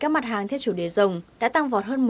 các mặt hàng theo chủ đề rồng đã tăng vọt hơn